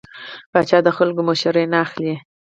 پاچا د خلکو څخه مشوره نه اخلي .